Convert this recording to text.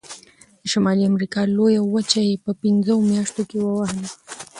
د شمالي امریکا لویه وچه یې په پنځو میاشتو کې ووهله.